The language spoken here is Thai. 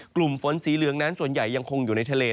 กลุ่มฝนสีเหลืองนั้นส่วนใหญ่ยังคงอยู่ในทะเล